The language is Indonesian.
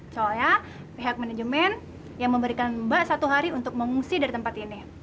soalnya pihak manajemen yang memberikan mbak satu hari untuk mengungsi dari tempat ini